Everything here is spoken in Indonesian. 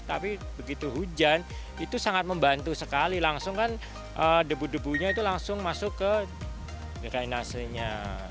tapi begitu hujan itu sangat membantu sekali langsung kan debu debunya itu langsung masuk ke drainasinya